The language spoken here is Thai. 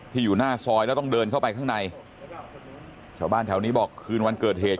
อยู่หน้าซอยแล้วต้องเดินเข้าไปข้างในชาวบ้านแถวนี้บอกคืนวันเกิดเหตุ